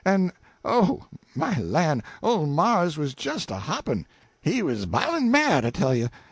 En, oh, my lan', ole Marse was jes a hoppin'! he was b'ilin' mad, I tell you!